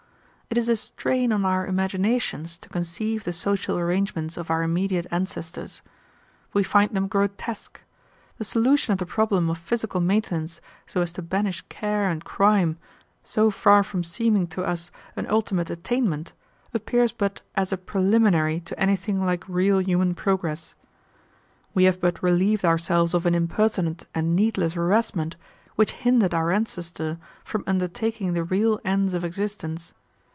It is a strain on our imaginations to conceive the social arrangements of our immediate ancestors. We find them grotesque. The solution of the problem of physical maintenance so as to banish care and crime, so far from seeming to us an ultimate attainment, appears but as a preliminary to anything like real human progress. We have but relieved ourselves of an impertinent and needless harassment which hindered our ancestor from undertaking the real ends of existence.